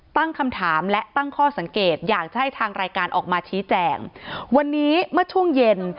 ตั้งคำถามและตั้งข้อสังเกตอยากจะให้ทางรายการออกมาชี้แจงวันนี้เมื่อช่วงเย็น